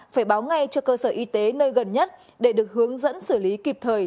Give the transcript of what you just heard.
phải báo ngay cho cơ sở y tế nơi gần nhất để được hướng dẫn xử lý kịp thời